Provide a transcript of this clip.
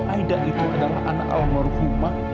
aida itu adalah anak alam waruhumah